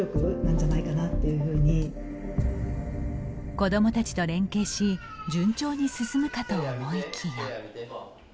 子どもたちと連携し順調に進むかと思いきや。